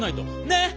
ねえ？